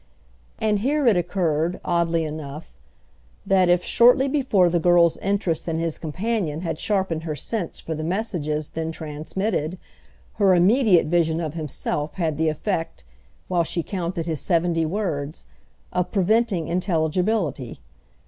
And here it occurred, oddly enough, that if, shortly before the girl's interest in his companion had sharpened her sense for the messages then transmitted, her immediate vision of himself had the effect, while she counted his seventy words, of preventing intelligibility.